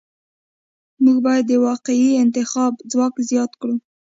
موږ باید د واقعي انتخاب ځواک زیات کړو.